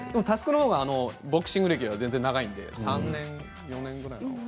佑の方がボクシング歴は全然、長いので３年、４年ぐらいかな？